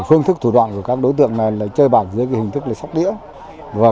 phương thức thủ đoạn của các đối tượng là chơi bạc dưới hình thức xóc đĩa